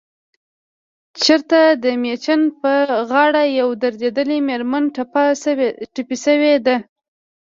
چرته دمیچن په غاړه يوه دردېدلې مېرمن ټپه شوې ده